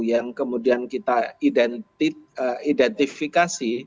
yang kemudian kita identifikasi